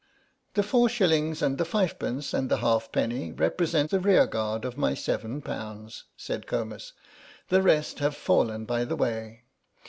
"The four shillings and the fivepence and the half penny represent the rearguard of the seven pounds," said Comus; "the rest have fallen by the way.